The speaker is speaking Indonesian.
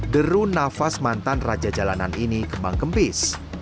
deru nafas mantan raja jalanan ini kembang kempis